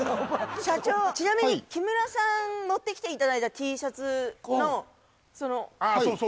社長ちなみに木村さん持ってきていただいたＴシャツのその価値とかああそうそう